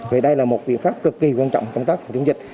vì đây là một biện pháp cực kỳ quan trọng công tác phòng chống dịch